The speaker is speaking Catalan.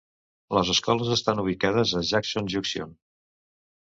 Les escoles estan ubicades a Jackson Junction.